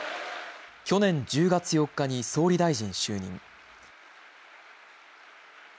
去年１０月４日に総理大臣就任。